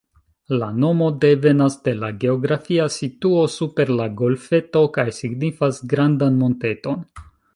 La nomo devenas de la geografia situo super la golfeto kaj signifas ""grandan monteton"".